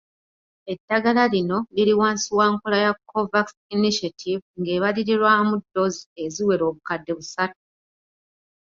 Eddagala lino liri wansi wa nkola ya COVAX Initiative ng'ebalirirwamu ddoozi eziwera obukadde busatu.